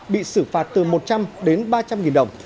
bị xử phạt từ một trăm linh đến ba trăm linh nghìn đồng